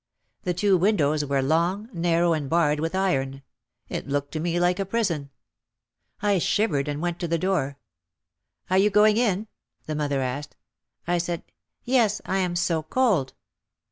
The two windows were long, narrow and barred with iron. It looked to me like a prison. I shivered and went to the door. "Are you going in ?" the mother asked. I said, "Yes, I am so cold."